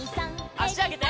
あしあげて。